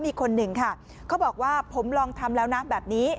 มีคนหนึ่งค่ะเขาบอกว่าผมลองทำแล้วนะแบบนี้